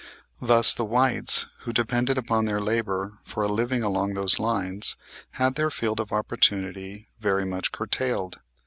Thus the whites who depended upon their labor for a living along those lines had their field of opportunity very much curtailed.